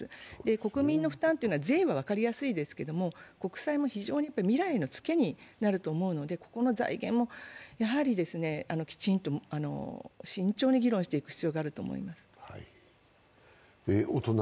国民の負担というのは、税は分かりやすいですけれども国債も未来のツケになると思うので、この財源もきちんと慎重に議論していく必要があると思います。